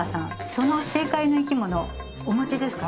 その正解の生き物お持ちですか？